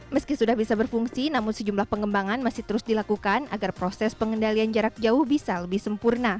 meski sudah bisa berfungsi namun sejumlah pengembangan masih terus dilakukan agar proses pengendalian jarak jauh bisa lebih sempurna